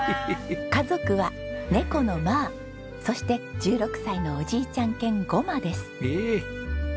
家族は猫のマーそして１６歳のおじいちゃん犬ごまです。